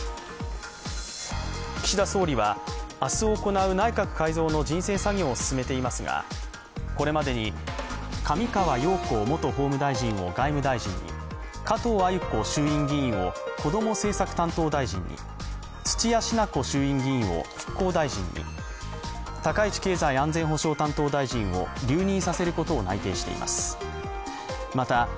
岸田総理は明日行う内閣改造の人選作業を進めていますが、これまでに上川陽子元法務大臣を外務大臣に、加藤鮎子衆院議員を子ども政策担当大臣に、土屋品子衆院議員を復興大臣に、高市経済安全保障担当大臣を留任させることを内定しています。